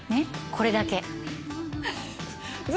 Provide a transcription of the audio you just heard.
これだけ。